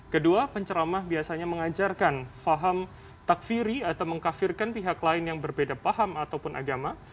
kedua penceramah biasanya mengajarkan faham takfiri atau mengkafirkan pihak lain yang berbeda paham ataupun agama